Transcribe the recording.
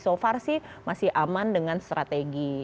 so far sih masih aman dengan strategi